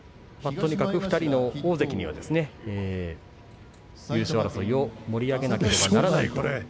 とにかく２人の大関は優勝争いを盛り上げなければなりません。